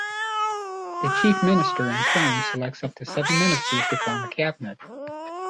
The Chief Minister, in turn, selects up to seven ministers to form a cabinet.